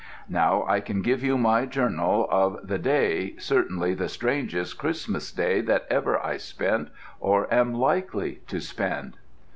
Now I can give you my journal of the day, certainly the strangest Christmas Day that ever I spent or am likely to spend.